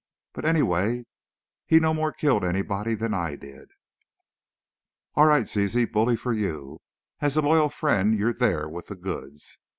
But, anyway, he no more killed anybody than I did!" "All right, Ziz, bully for you! As a loyal friend you're there with the goods!"